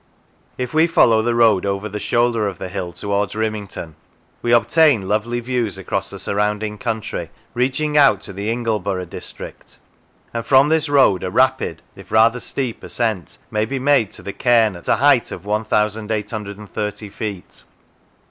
If we follow the road over the shoulder of the hill towards Rimington, we obtain lovely views across the surrounding country, reaching out to the Ingleborough district, and from this road a rapid, if rather steep, ascent may be made to the cairn at a height of 1,830 feet.